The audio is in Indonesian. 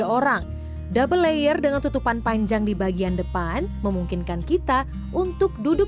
orang double layer dengan tutupan panjang di bagian depan memungkinkan kita untuk duduk